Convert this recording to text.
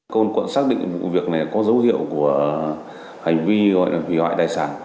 công an quận xác định vụ việc này có dấu hiệu của hành vi hủy hoại đài sản